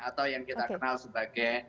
atau yang kita kenal sebagai